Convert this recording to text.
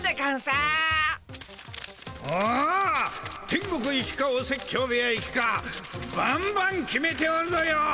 天国行きかお説教部屋行きかばんばん決めておるぞよ！